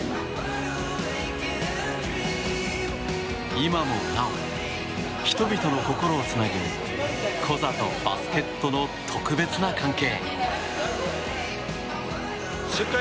今もなお、人々の心をつなぐコザとバスケットの特別な関係。